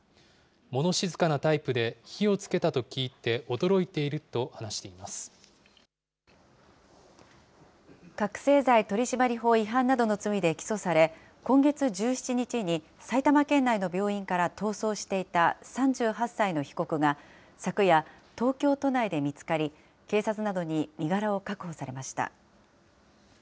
物静かなタイプで、火をつけたと覚醒剤取締法違反などの罪で起訴され、今月１７日に埼玉県内の病院から逃走していた３８歳の被告が、昨夜、東京都内で見つかり、警察などに身柄を確保されました。